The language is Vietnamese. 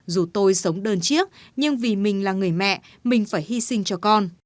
dù tôi sống đơn chiếc nhưng vì mình là người mẹ mình phải hy sinh cho con